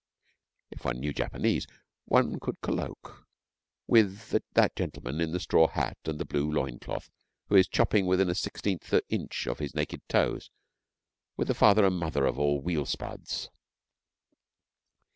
If one knew Japanese, one could collogue with that gentleman in the straw hat and the blue loincloth who is chopping within a sixteenth of an inch of his naked toes with the father and mother of all weed spuds.